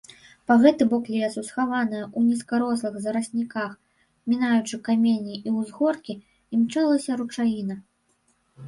Па гэты бок лесу, схаваная ў нізкарослых зарасніках, мінаючы каменні і ўзгоркі, імчалася ручаіна.